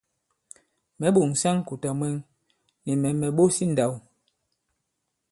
Mɛ̌ ɓòŋsa ŋ̀kùtà mwɛŋ, nì mɛ̀ mɛ̀ ɓos i ǹndāw.